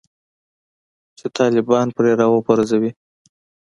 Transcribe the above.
چې طالبان پرې راوپرځوي